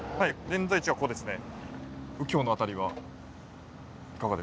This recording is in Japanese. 現在地はここですね。